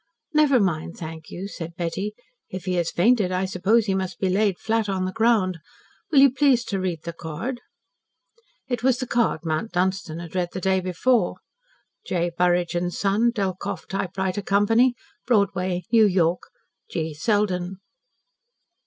"Never mind, thank you," said Betty. "If he has fainted I suppose he must be laid flat on the ground. Will you please to read the card." It was the card Mount Dunstan had read the day before. J. BURRIDGE & SON, DELKOFF TYPEWRITER CO. BROADWAY, NEW YORK. G. SELDEN.